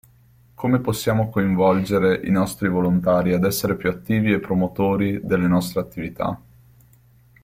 Come possiamo coinvolgere i nostri volontari ad essere più attivi e promotori delle nostre attività?